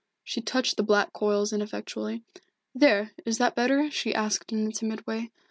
She touched the black coils ineffectually. "There! Is that better?" she asked in a timid way.